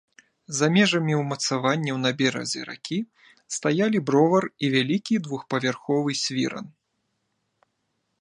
За межамі ўмацаванняў на беразе ракі стаялі бровар і вялікі двухпавярховы свіран.